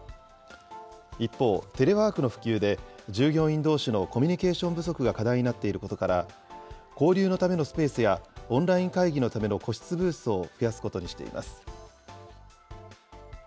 一方、テレワークの普及で従業員どうしのコミュニケーション不足が課題になっていることから、交流のためのスペースやオンライン会議のための個室ブースを増やすことにしています。